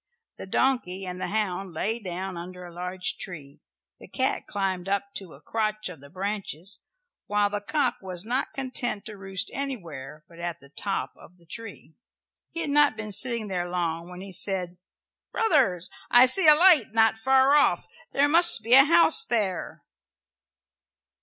The donkey and the hound lay down under a large tree, the cat climbed up to a crotch of the branches, while the cock was not content to roost anywhere but at the top of the tree. He had not been sitting there long when he said, "Brothers, I see a light not far off. There must be a house there."